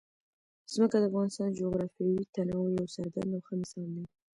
ځمکه د افغانستان د جغرافیوي تنوع یو څرګند او ښه مثال دی.